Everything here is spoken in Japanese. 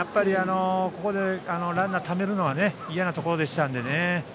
ランナーをためるのはいやなところでしたのでね。